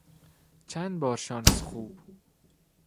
چند بار شانس خوب